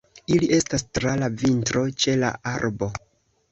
Ili estas tra la vintro ĉe la arbo.